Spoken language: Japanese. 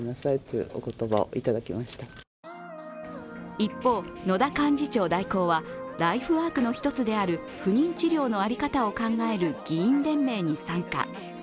一方、野田幹事長代行はライフワークの一つである不妊治療の在り方を考える議員連盟に参加。